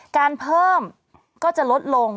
การเพิ่มก็จะลดลง